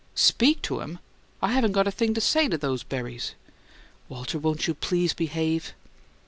"'Speak' to 'em? I haven't got a thing to say to THOSE berries!" "Walter, won't you PLEASE behave?"